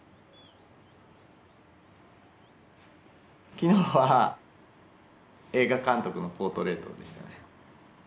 昨日は映画監督のポートレートでしたね。